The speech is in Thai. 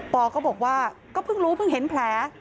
อก็บอกว่าก็เพิ่งรู้เพิ่งเห็นแผล